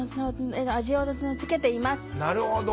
なるほど。